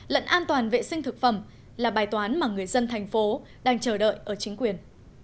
lẫn an toàn vệ sinh thực phẩm là bài toán mà người dân thành phố đang chờ đợi ở chính quyền